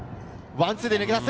ワンツーで抜け出す。